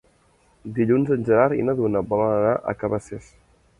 Dilluns en Gerard i na Duna volen anar a Cabacés.